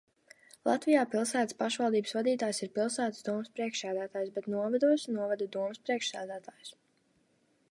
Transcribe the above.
Latvijā pilsētas pašvaldības vadītājs ir pilsētas domes priekšsēdētājs, bet novados – novada domes priekšsēdētājs.